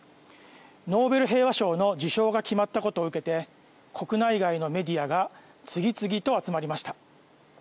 ノーベル平和賞の受賞が決まったことを受けて国内外のメディアが次々と集まりました。